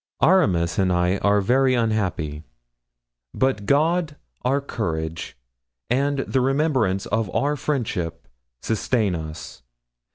Aramis and I are very unhappy; but God, our courage, and the remembrance of our friendship sustain us.